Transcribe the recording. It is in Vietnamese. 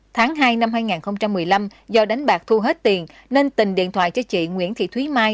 tháng hai năm hai nghìn một mươi năm do đánh bạc thu hết tiền nên tình điện thoại cho chị nguyễn thị thúy mai